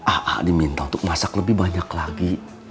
aa diminta untuk masak lebih banyak lagi